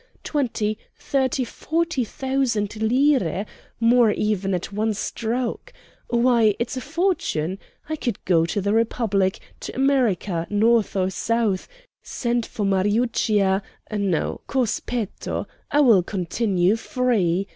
Twenty, thirty, forty thousand lire, more, even, at one stroke; why, it's a fortune! I could go to the Republic, to America, North or South, send for Mariuccia no, cos petto! I will continue free!